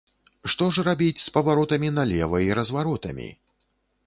Што ж рабіць з паваротамі налева і разваротамі?